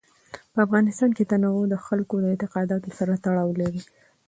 په افغانستان کې تنوع د خلکو د اعتقاداتو سره تړاو لري.